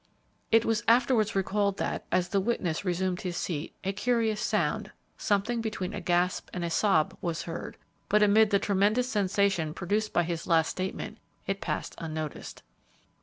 It was afterwards recalled that, as the witness resumed his seat, a curious sound, something between a gasp and a sob was heard, but amid the tremendous sensation produced by his last statement it passed unnoticed.